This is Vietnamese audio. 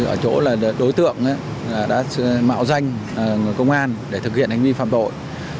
ở chỗ là đối tượng đã mạo danh công an để thực hiện hành vi phạm tội